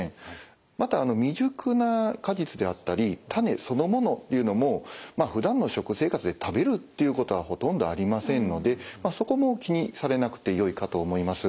また未熟な果実であったり種そのものというのもふだんの食生活で食べるっていうことはほとんどありませんのでそこも気にされなくてよいかと思います。